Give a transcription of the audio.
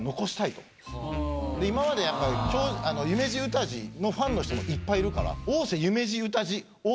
今までやっぱりゆめじ・うたじのファンの人もいっぱいいるから。